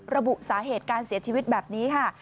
ระบุสาเหตุการเสียชีวิตแบบนี้ค่ะ